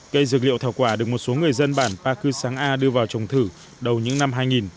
cây dược liệu thảo quả được một số người dân bản pa cư sáng a đưa vào trồng thử đầu những năm hai nghìn